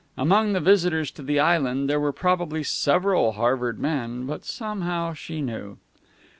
Among the visitors to the island there were probably several Harvard men. But somehow she knew.